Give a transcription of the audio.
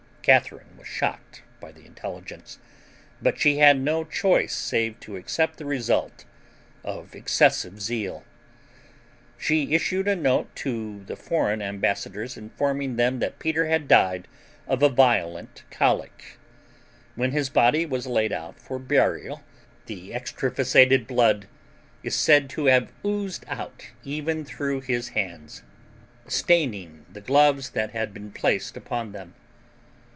Catharine was shocked by the intelligence, but she had no choice save to accept the result of excessive zeal. She issued a note to the foreign ambassadors informing them that Peter had died of a violent colic. When his body was laid out for burial the extravasated blood is said to have oozed out even through his hands, staining the gloves that had been placed upon them.